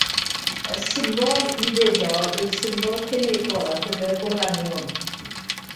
Y symbol 'U' yw'r symbol cemegol ar gyfer wraniwm.